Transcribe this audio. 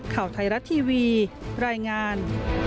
ข่าวไทยรัฐทีวีรายงาน